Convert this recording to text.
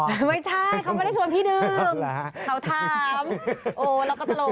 ไม่ใช่เขาไม่ได้ชวนพี่ดื่มเขาถามโอ้เราก็ตลก